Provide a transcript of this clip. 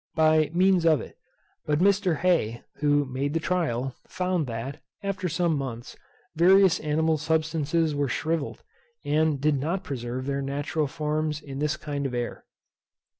by means of it; but Mr. Hey, who made the trial, found that, after some months, various animal substances were shriveled, and did not preserve their natural forms in this kind of air.